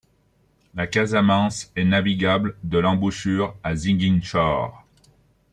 La Casamance est navigable de l'embouchure à Ziguinchor.